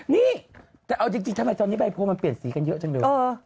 นี่แต่เอาจริงทำไมตอนนี้ใบโพลมันเปลี่ยนสีกันเยอะจังเลย